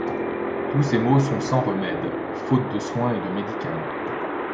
Tous ces maux sont sans remèdes, faute de soins et de médicaments.